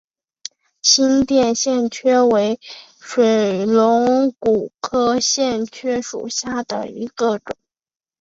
新店线蕨为水龙骨科线蕨属下的一个种。